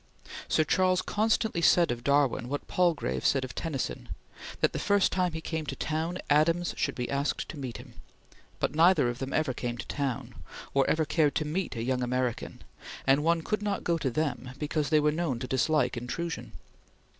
Sir Charles constantly said of Darwin, what Palgrave said of Tennyson, that the first time he came to town, Adams should be asked to meet him, but neither of them ever came to town, or ever cared to meet a young American, and one could not go to them because they were known to dislike intrusion.